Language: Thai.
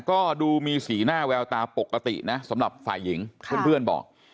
ก็ดูมีสีหน้าแววตาปกตินะสำหรับฝ่ายหญิงเพื่อนบอก